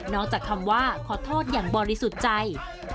จากคำว่าขอโทษอย่างบริสุทธิ์ใจ